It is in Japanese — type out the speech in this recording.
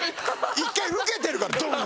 １回受けてるからドーン！